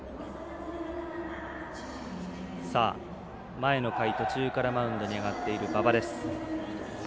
前の回途中からマウンドに上がっている馬場です。